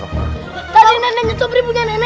tadi neneknya sobri punya neneknya